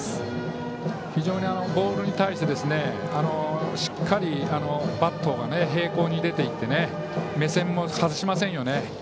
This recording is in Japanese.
非常にボールに対してしっかりバットが平行に出て目線も外しませんよね。